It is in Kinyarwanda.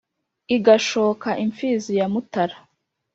igashooka imfizi ya mútara